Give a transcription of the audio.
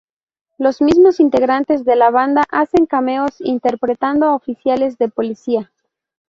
Los mismos integrantes de la banda hacen cameos interpretando oficiales de policía.